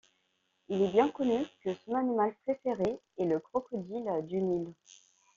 Il est bien connu que son animal préféré est le Crocodile du Nil.